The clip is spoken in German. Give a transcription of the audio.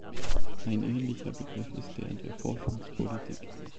Ein ähnlicher Begriff ist der der Forschungspolitik.